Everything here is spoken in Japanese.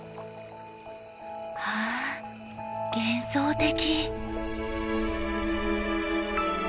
わあ幻想的！